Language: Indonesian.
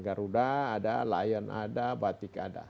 garuda ada lion ada batik ada